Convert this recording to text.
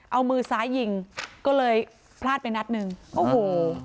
เอามือซ้ายยิงก็เลยพลาดไปนัดหนึ่งโอ้โห